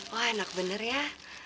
wah enak bener ya